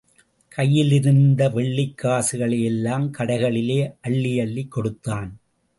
கையிலிருந்த வெள்ளிக் காசுகளையெல்லாம் கடைகளிலே அள்ளியள்ளிக் கொடுத்தான்.